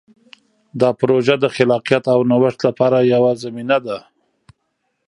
دا پروژه د خلاقیت او نوښت لپاره یوه زمینه ده.